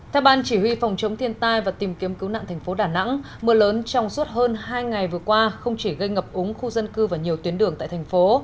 theo ban chỉ huy phòng chống thiên tai và tìm kiếm cứu nạn thành phố đà nẵng mưa lớn trong suốt hơn hai ngày vừa qua không chỉ gây ngập úng khu dân cư và nhiều tuyến đường tại thành phố